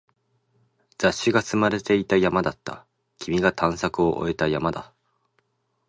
雑誌が積まれていた山だった。僕が探索を終えた山だ。